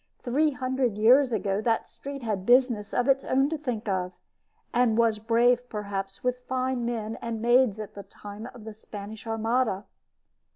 Three hundred years ago that street had business of its own to think of, and was brave perhaps with fine men and maids at the time of the Spanish Armada.